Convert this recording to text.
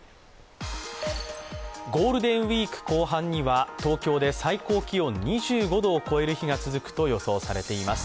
ゴールデンウイーク後半には東京で最高気温２５度を超える日が続くと予想されています。